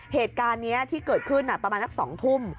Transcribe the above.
เหตุการณ์นี้ที่เกิดขึ้นประมาณสัก๒ทุ่ม